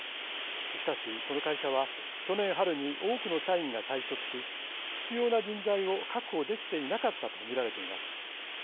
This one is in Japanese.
しかし、この会社は去年春に多くの社員が退職し必要な人材を確保できていなかったと見られています。